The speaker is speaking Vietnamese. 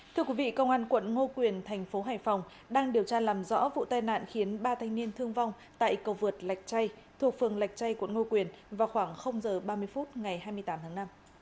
thưa quý vị công an quận ngô quyền thành phố hải phòng đang điều tra làm rõ vụ tai nạn khiến ba thanh niên thương vong tại cầu vượt lạch chay thuộc phường lạch chay quận ngô quyền vào khoảng h ba mươi phút ngày hai mươi tám tháng năm